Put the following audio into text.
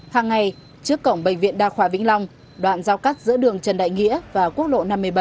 hàng ngày trước cổng bệnh viện đa khoa vĩnh long đoạn giao cắt giữa đường trần đại nghĩa và quốc lộ năm mươi bảy